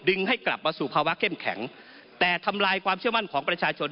ให้กลับมาสู่ภาวะเข้มแข็งแต่ทำลายความเชื่อมั่นของประชาชน